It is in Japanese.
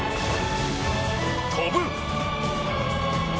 飛ぶ！